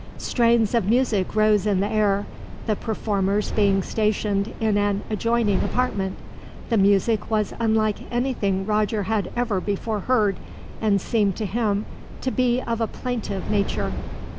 Strains of music rose in the air, the performers being stationed in an adjoining apartment. The music was unlike anything Roger had ever before heard, and seemed to him to be of a plaintive nature.